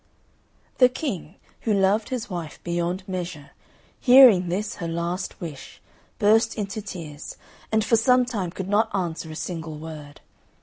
The King, who loved his wife beyond measure, hearing this her last wish, burst into tears, and for some time could not answer a single word.